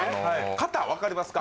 形分かりますか？